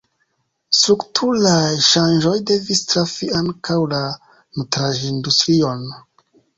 Strukturaj ŝanĝoj devis trafi ankaŭ la nutraĵindustrion.